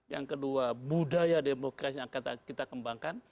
yang kedua budaya demokrasi yang akan kita kembangkan